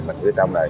mình phía trong này